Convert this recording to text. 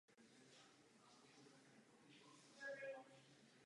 Tento směr do značné míry staví na recepci římského práva.